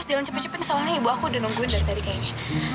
ini masalah davanya